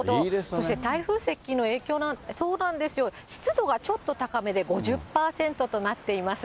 そして台風接近の影響なんでしょうか、そうなんですよ、湿度がちょっと高めで５０％となっています。